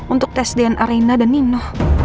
untuk tes dn arena dan nino